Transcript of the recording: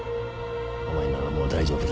お前ならもう大丈夫だ。